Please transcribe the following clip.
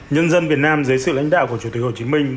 nhân dân việt nam dưới sự lãnh đạo của chủ tịch hồ chí minh